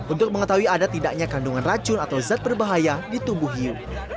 untuk mengetahui ada tidaknya kandungan racun atau zat berbahaya di tubuh hiu